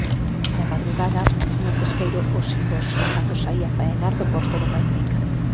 Na madrugada afundiu o pesqueiro 'O Silvosa' cando saía faenar do porto de Malpica.